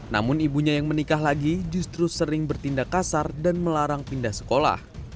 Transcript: namun ibunya yang menikah lagi justru sering bertindak kasar dan melarang pindah sekolah